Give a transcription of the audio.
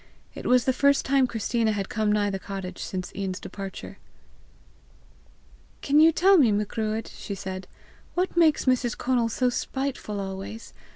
It was the first time Christina had come nigh the cottage since Ian's departure. "Can you tell me, Macruadh," she said, "what makes Mrs. Conal so spiteful always?